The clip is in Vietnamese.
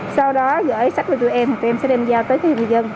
sau đó gửi sách với tụi em thì tụi em sẽ đem giao tới cho người dân